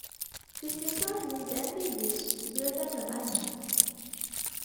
This result will then be used to build an alignment.